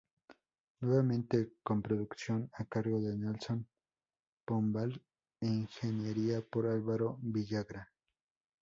Nuevamente con producción a cargo de Nelson Pombal e ingeniería por Alvaro Villagra.